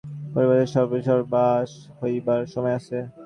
বধূ যখন জননী হয়, তখন তাহার পরিবারটুকুর সর্বেসর্বা হইবার সময় আসে।